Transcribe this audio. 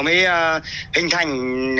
mới hình thành